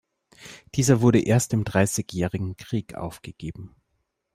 Dieser wurde erst im Dreißigjährigen Krieg aufgegeben.